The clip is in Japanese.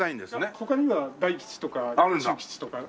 他には大吉とか中吉とか。